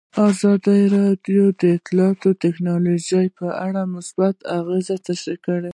ازادي راډیو د اطلاعاتی تکنالوژي په اړه مثبت اغېزې تشریح کړي.